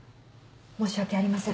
申し訳ありません。